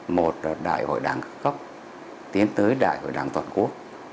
một là đại hội đảng cấp tiến tới đại hội đảng toàn quốc